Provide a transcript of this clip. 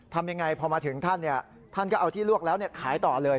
ทำยังไงพอมาถึงท่านท่านก็เอาที่ลวกแล้วขายต่อเลย